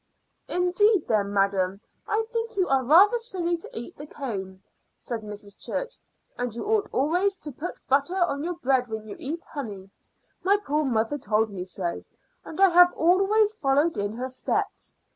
"Indeed, then, madam, I think you are rather silly to eat the comb," said Mrs. Church; "and you ought always to put butter on your bread when you eat honey. My poor mother told me so, and I have always followed in her steps.